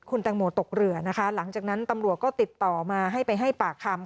คุณแตงโมตกเรือนะคะหลังจากนั้นตำรวจก็ติดต่อมาให้ไปให้ปากคำ